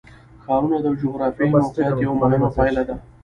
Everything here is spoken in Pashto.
ښارونه د جغرافیایي موقیعت یوه مهمه پایله ده.